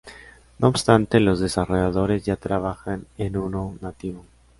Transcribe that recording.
No obstante, los desarrolladores ya trabajan en uno nativo.